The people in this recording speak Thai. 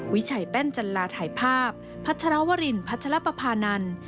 วิชัยแป้นจันลาถ่ายภาพพัชรวรินพัชรปภานันทร์